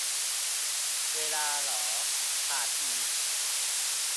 เวลา เหรอ ขาดอีก